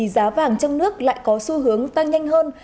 giá vàng trong nước lại có xu hướng tăng nhanh hơn